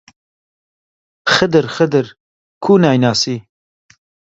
خدر، خدر، کوو نایناسی؟!